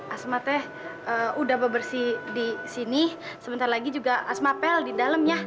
asma teh udah bebersih di sini sebentar lagi juga asma pel di dalamnya